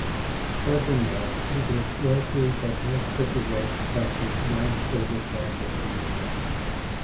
Furthermore, it is likely that most of the rest suffered non-fatal casualties.